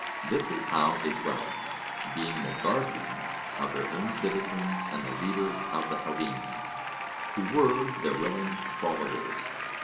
This is how they dwelt, being the guardians of their own citizens and the leaders of the Hellenes, who were their willing followers.